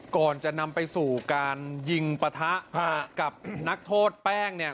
ก่อนจะนำไปสู่การยิงปะทะกับนักโทษแป้งเนี่ย